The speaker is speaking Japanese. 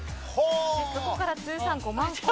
そこから通算５万個。